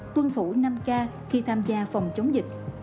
tuân thủ năm k khi tham gia phòng chống dịch